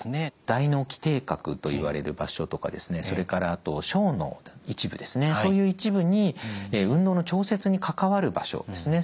大脳基底核といわれる場所とかそれからあと小脳の一部ですねそういう一部に運動の調節に関わる場所ですね